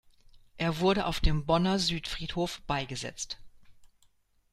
Er wurde auf dem Bonner Südfriedhof beigesetzt.